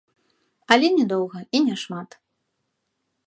Але не доўга і не шмат.